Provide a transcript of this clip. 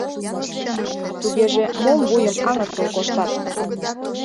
— Тугеже мом вуйым аҥыртыл коштат?